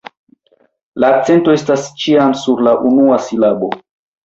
La akcento estas ĉiam sur la unua silabo.